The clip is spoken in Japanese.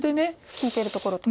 利いてるところと。